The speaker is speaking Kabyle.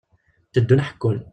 Tteddun ḥekkun.